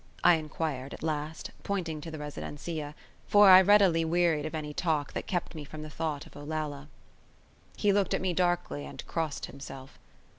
I inquired, at last, pointing to the residencia, for I readily wearied of any talk that kept me from the thought of Olalla. He looked at me darkly and crossed himself.